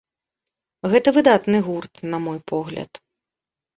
Гэта выдатны гурт, на мой погляд.